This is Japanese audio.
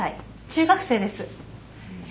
中学生です。